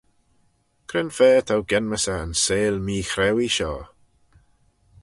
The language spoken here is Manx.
Cre'n fa t'ou genmys eh yn seihll meechrauee shoh?